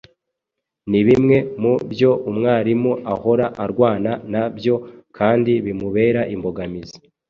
nibimwe mu byo umwarimu ahora arwana na byo kandi bimubera imbogamizi.